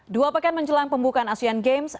dua pekan menjelang pembukaan asian games